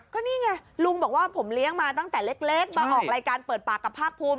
ก็นี่ไงลุงบอกว่าผมเลี้ยงมาตั้งแต่เล็กมาออกรายการเปิดปากกับภาคภูมิ